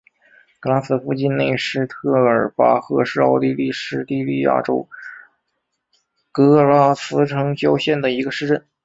格拉茨附近内施特尔巴赫是奥地利施蒂利亚州格拉茨城郊县的一个市镇。